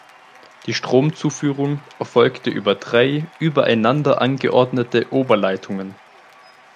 Die Stromzuführung erfolgte über drei übereinander angeordnete Oberleitungen.